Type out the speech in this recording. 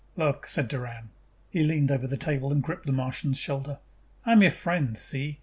"Look," said Doran. He leaned over the table and gripped the Martian's shoulder. "I am your friend, see?